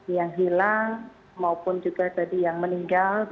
yang hilang maupun juga tadi yang meninggal